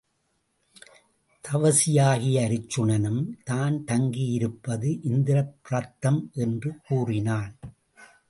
தவசியாகிய அருச்சுனனும் தான் தங்கி இருப்பது இந்திரப்பிரத்தம் என்று கூறினான்.